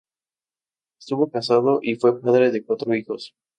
Estuvo casado y fue padre de cuatro hijos.